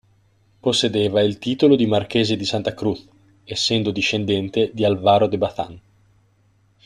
Possedeva il titolo di marchese di Santa Cruz, essendo discendente di Álvaro de Bazán.